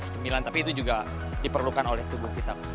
cemilan tapi itu juga diperlukan oleh tubuh kita